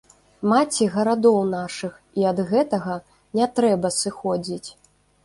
Маці гарадоў нашых, і ад гэтага не трэба сыходзіць.